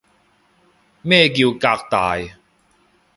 咩叫革大